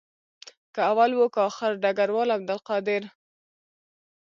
که اول وو که آخر ډګروال عبدالقادر.